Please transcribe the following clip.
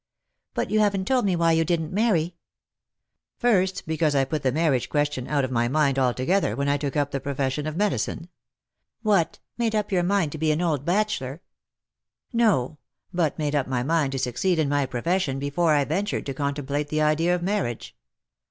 " But you haven't told me why you didn't marry ?"" First, because I put the marriage question out of my mind altogether when I took up the profession of medicine." " What, made up your mind to be an old bachelor !" "No! but made up my mind to succeed in my profession before I ventured to contemplate the idea of marriage."